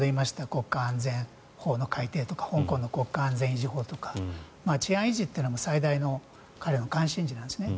国家安全法の改正とか香港の国家安全維持法とか治安維持というのは彼の最大の関心事なんですね。